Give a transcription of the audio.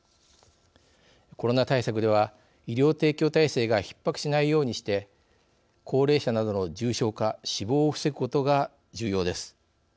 コロナ対策では医療提供体制がひっ迫しないようにして高齢者などの重症化死亡を防ぐことが重要です。